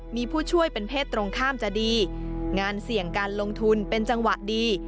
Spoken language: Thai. มีผู้ช่วยเป็นเพศตรงข้ามจะดีงานเสี่ยงการลงทุนเป็นจังหวะดี